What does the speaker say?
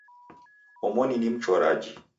Omoni ni mchoraji